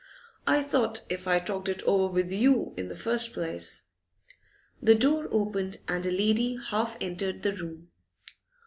I thought if I talked it over with you in the first place ' The door opened, and a lady half entered the room.